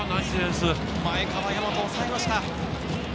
前川大和、抑えました。